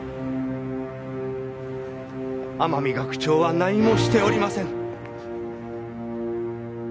天海学長は何もしておりません！